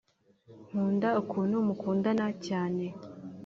nkunda ukuntu mukundana cyane